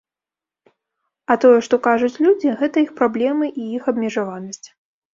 А тое, што кажуць людзі, гэта іх праблемы і іх абмежаванасць.